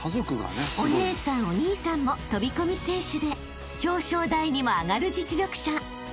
［お姉さんお兄さんも飛込選手で表彰台にも上がる実力者］